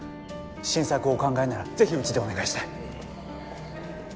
新作をお考えなら是非うちでお願いしたい。